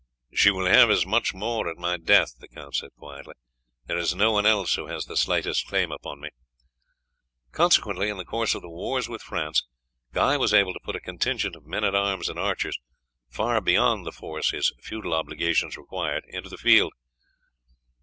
"She will have as much more at my death," the count said quietly; "there is no one else who has the slightest claim upon me." Consequently, in the course of the wars with France, Guy was able to put a contingent of men at arms and archers, far beyond the force his feudal obligations required, in the field.